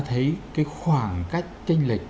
thấy cái khoảng cách tranh lệch